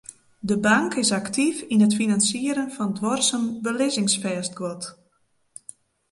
De bank is aktyf yn it finansierjen fan duorsum belizzingsfêstguod.